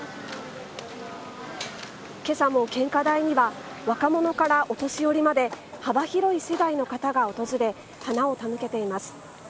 けさも献花台には、若者からお年寄りまで、幅広い世代の方が訪れ、花を手向けています。